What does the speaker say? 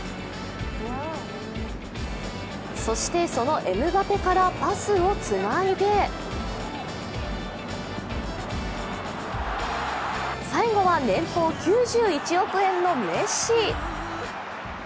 そして、そのエムバペからパスをつないで最後は年俸９１億円のメッシ。